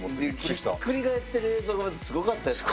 ひっくり返ってる映像がまたすごかったですね。